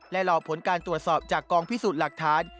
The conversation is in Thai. และรอผลการตรวจสอบจากกองพิสูจน์หลักฐาน